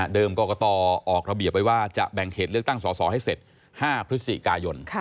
กรกตออกระเบียบไว้ว่าจะแบ่งเขตเลือกตั้งสอสอให้เสร็จ๕พฤศจิกายน